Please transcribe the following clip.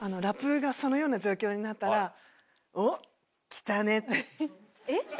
ラップがそのような状況になったら。